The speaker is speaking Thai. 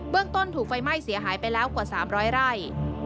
ต้นถูกไฟไหม้เสียหายไปแล้วกว่า๓๐๐ไร่